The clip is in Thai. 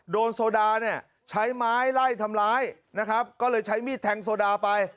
โซดาเนี่ยใช้ไม้ไล่ทำร้ายนะครับก็เลยใช้มีดแทงโซดาไป